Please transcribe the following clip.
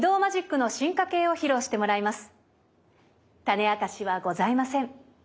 タネあかしはございません。